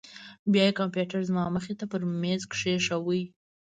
بيا يې کمپيوټر زما مخې ته پر ميز کښېښوو.